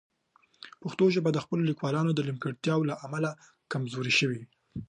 پښتو ژبه د خپلو لیکوالانو د نیمګړتیاوو له امله کمزورې شوې.